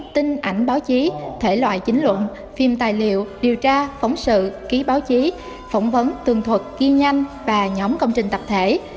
tin ảnh báo chí thể loại chính luận phim tài liệu điều tra phóng sự ký báo chí phỏng vấn tường thuật ghi nhanh và nhóm công trình tập thể